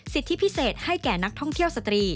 สิทธิพิเศษให้แก่นักท่องเที่ยวสตรี